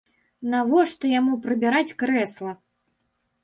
Навошта яму прыбіраць крэсла?